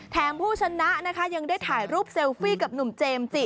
ผู้ชนะนะคะยังได้ถ่ายรูปเซลฟี่กับหนุ่มเจมส์จิ